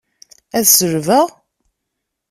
Ad selbeɣ?